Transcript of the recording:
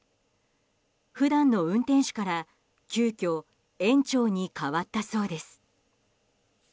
普段の運転手から急きょ園長に代わったそうです。